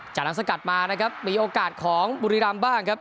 จากนั้นสกัดมานะครับมีโอกาสของบุรีรำบ้างครับ